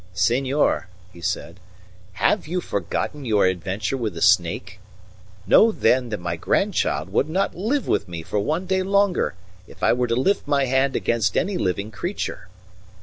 "Senor," he said, "have you forgotten your adventure with the snake? Know, then, that my grandchild would not live with me for one day longer if I were to lift my hand against any living creature.